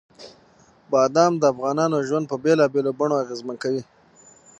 بادام د افغانانو ژوند په بېلابېلو بڼو اغېزمن کوي.